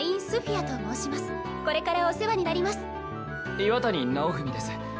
岩谷尚文です。